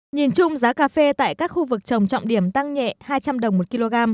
nhìn chung giá cà phê tại các khu vực trồng trọng điểm tăng nhẹ hai trăm linh đồng một kg